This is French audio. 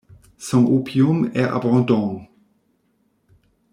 Son opium est abondant.